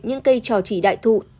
những cây trò chỉ đại thụ